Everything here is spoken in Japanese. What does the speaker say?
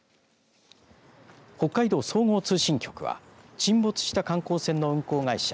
北海道総合通信局は沈没した観光船の運航会社